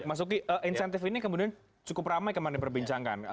mas uki insentif ini kemudian cukup ramai kemarin perbincangkan